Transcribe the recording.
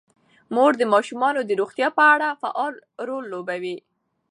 مور د ماشومانو د روغتیا په اړه فعال رول لوبوي.